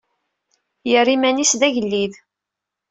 Yerra iman-is d agellid.